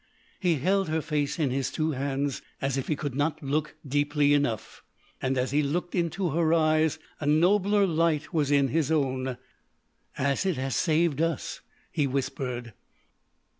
He held her face in his two hands as if he could not look deeply enough. And as he looked into her eyes a nobler light was in his own. "As it has saved us," he whispered.